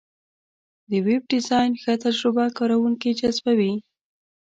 د ویب ډیزاین ښه تجربه کارونکي جذبوي.